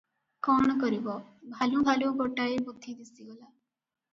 କଣ କରିବ, ଭାଳୁଁ ଭାଳୁଁ ଗୋଟାଏ ବୁଦ୍ଧି ଦିଶିଗଲା ।